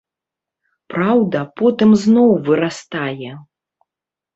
Праўда, потым зноў вырастае.